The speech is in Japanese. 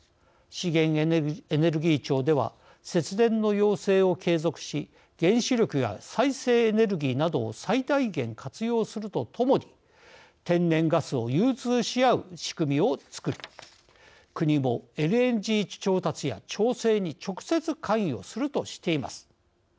資源エネルギー庁では節電の要請を継続し原子力や再生エネルギーなどを最大限活用するとともに天然ガスを融通し合う仕組みを作り、国もＬＮＧ調達や調整に直接関与するとしています。